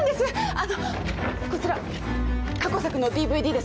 あのこちら過去作のＤＶＤです。